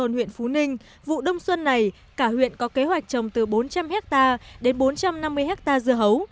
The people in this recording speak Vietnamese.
ở nông thôn huyện phú ninh vụ đông xuân này cả huyện có kế hoạch trồng từ bốn trăm linh ha đến bốn trăm năm mươi ha dưa hấu